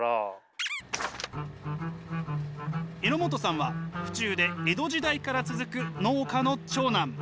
榎本さんは府中で江戸時代から続く農家の長男。